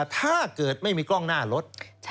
ถ้าเกิดไม่มีกล้องหน้ารถ